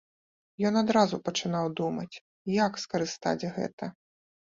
Ён адразу пачынаў думаць, як скарыстаць гэта.